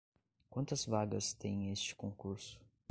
Quantas vagas tem este concurso?